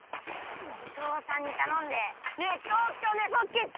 お父さんにたのんでネットオークションでそっけつ！